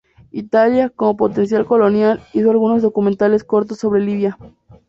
Italia, como potencia colonial, hizo algunos documentales cortos sobre Libia.